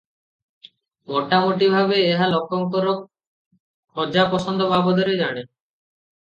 ମୋଟାମୋଟି ଭାବେ ଏହା ଲୋକଙ୍କର ଖୋଜା ପସନ୍ଦ ବାବଦରେ ଜାଣେ ।